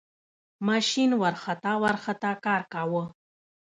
ماشین ورخطا ورخطا کار کاوه.